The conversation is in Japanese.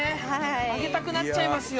あげたくなっちゃいますよ